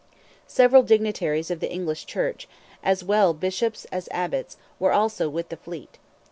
Several dignitaries of the English Church, as well Bishops as Abbots, were also with the fleet.